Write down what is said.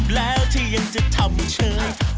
ไม่ว่านี่มึงต้นดื่มนี่พี่วะ